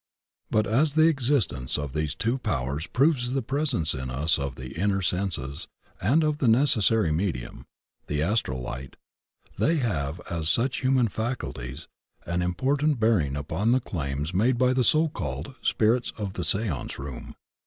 But as the existence of these two powers proves the presence in us of the inner senses and of the necessary medium — ^the Astral light, they have, as such human faculties, an important bear ing upon the claims made by the so called "spirits" of the seance room.